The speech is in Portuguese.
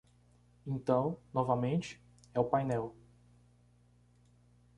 Então, novamente, é o painel